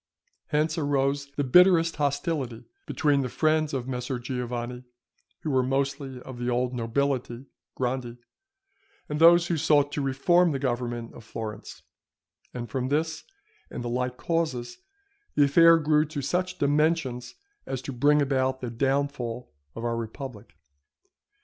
Hence arose the bitterest hostility between the friends of Messer Giovanni, who were mostly of the old nobility (grandi), and those who sought to reform the government of Florence; and from this and the like causes, the affair grew to such dimensions as to bring about the downfall of our republic.